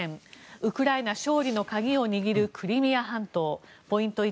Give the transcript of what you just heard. ウクライナ勝利の鍵を握るクリミア半島ポイント１